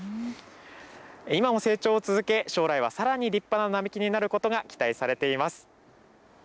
今も成長を続け、将来はさらに立派な並木になることが期待されています。